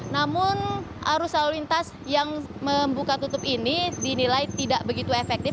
namun arus lalu lintas yang membuka tutup ini dinilai tidak begitu efektif